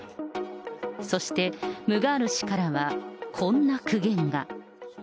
そして、ムガール氏からはこんな苦言が。